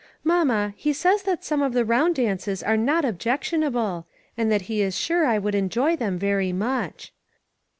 Mamma, he says that some of the round dances are not objection able, and that he is sure I would enjoy them very much."